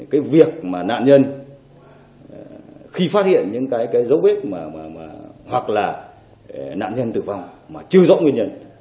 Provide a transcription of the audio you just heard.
cái việc mà nạn nhân khi phát hiện những cái dấu vết hoặc là nạn nhân tử vong mà chưa rõ nguyên nhân